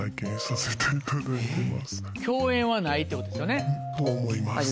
共演はないってことですよね。と思います。